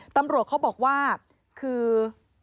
ตำรวจเขาบอกว่าคือ